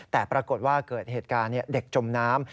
แต่ปรากฏว่าเกิดเหตุการณ์เด็กจมน้ำ